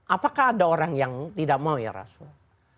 apakah ada orang yang tidak mau ya rasul